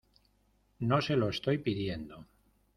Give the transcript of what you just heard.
no se lo estoy pidiendo